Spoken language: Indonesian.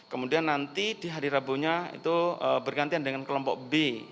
kemudian nanti di hari rabunya itu bergantian dengan kelompok b